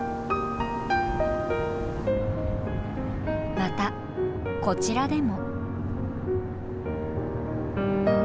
またこちらでも。